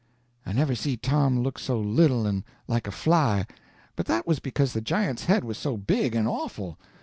I never see Tom look so little and like a fly; but that was because the giant's head was so big and awful.